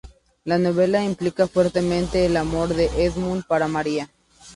La novela implica fuertemente el amor de Edmund para Maria.